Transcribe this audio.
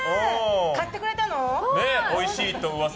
買ってくれたの？